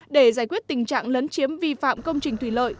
để giải quyết tình trạng lấn chiếm vi phạm công trình thủy lợi